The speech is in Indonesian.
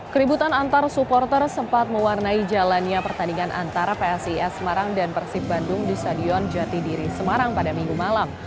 keributan antar supporter sempat mewarnai jalannya pertandingan antara psis semarang dan persib bandung di stadion jatidiri semarang pada minggu malam